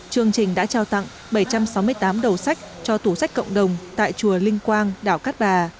chương trình đã trao tặng bảy trăm sáu mươi tám đầu sách cho tủ sách cộng đồng tại chùa linh quang đảo cát bà